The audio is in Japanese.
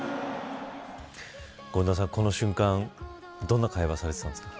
権田さん、この瞬間どんな会話をされていたんですか。